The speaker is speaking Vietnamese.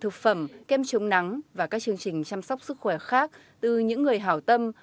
thực phẩm kem chống nắng và các chương trình chăm sóc sức khỏe khác từ những người hảo tâm